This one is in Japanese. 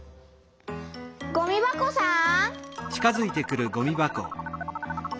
ごみ箱さん！